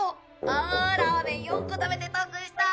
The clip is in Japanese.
ああラーメン４個食べて得した！